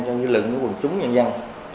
cho những lượng của quần chúng nhân dân